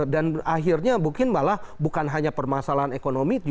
dan akhirnya mungkin malah bukan hanya permasalahan ekonomi